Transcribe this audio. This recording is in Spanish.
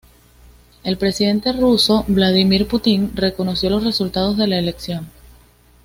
El presidente ruso Vladímir Putin reconoció los resultados de la elección.